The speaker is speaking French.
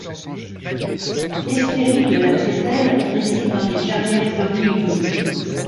L'Hespérie de la crételle réside dans les clairières fleuries humides.